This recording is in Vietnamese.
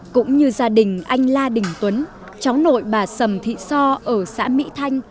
cũng như gia đình anh la đình tuấn cháu nội bà sầm thị so ở xã mỹ thanh